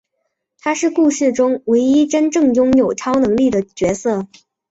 他是故事中唯一真正拥有超能力的角色。